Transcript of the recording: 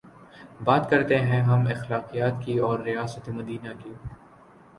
بات کرتے ہیں ہم اخلاقیات کی اورریاست مدینہ کی